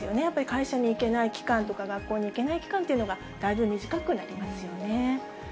やっぱり会社に行けない期間とか、学校に行けない期間がだいぶ短くなりますよね。